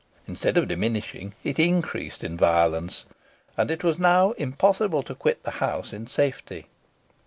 Instead of diminishing, it increased in violence, and it was now impossible to quit the house with safety.